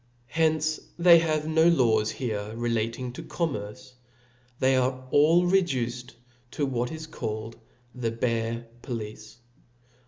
Hence they have no laws here relating, to commerce, they are all reduced to what is called the bare police.